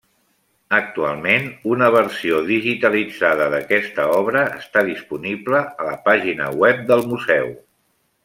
Actualment, una versió digitalitzada d'aquesta obra està disponible a la pàgina web del museu.